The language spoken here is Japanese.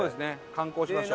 観光しましょう。